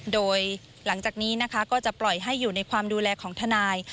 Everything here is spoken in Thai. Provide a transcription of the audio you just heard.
โดยหลังจากนี้นะคะก็จะปล่อยให้อยู่ในความดูแลของทนาย